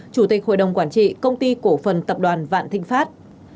chủ tịch hội đồng quản trị công ty cổ phần tập đoàn vạn thịnh pháp